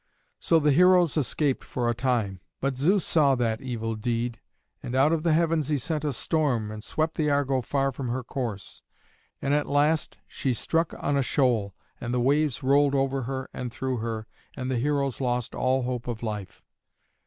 So the heroes escaped for a time, but Zeus saw that evil deed, and out of the heavens he sent a storm and swept the Argo far from her course. And at last she struck on a shoal, and the waves rolled over her and through her, and the heroes lost all hope of life.